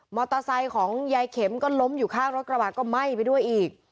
ไซค์ของยายเข็มก็ล้มอยู่ข้างรถกระบะก็ไหม้ไปด้วยอีก